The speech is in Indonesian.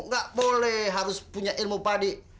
nggak boleh harus punya ilmu padi